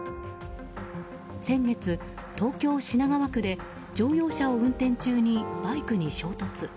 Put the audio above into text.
先月、東京・品川区で乗用車を運転中にバイクに衝突。